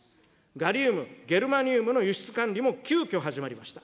ガリウム、ゲルマニウムの輸出管理も急きょ始まりました。